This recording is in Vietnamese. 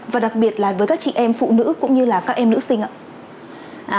và đặc biệt là với các chị em phụ nữ cũng như là các em nữ sinh ạ